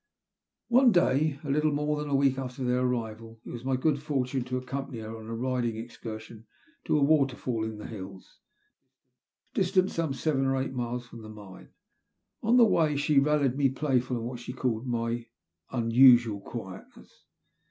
One day, a little more than a week after their arrival, it was my good fortune to accompany her on a riding excursion to a waterfall in the hills, distant some seven or eight miles from the mine. On the way she rallied me playfully on what she called '' my unusual quietness."